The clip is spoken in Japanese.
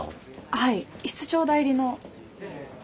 はい室長代理の。